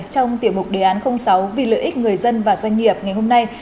trong tiểu mục đề án sáu vì lợi ích người dân và doanh nghiệp ngày hôm nay